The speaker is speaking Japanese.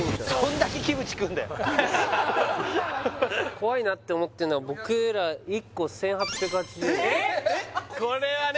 怖いなって思ってんのは僕ら１個１８８０円えっこれはね